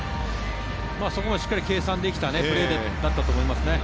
そこもしっかり計算できたプレーだったと思いますね。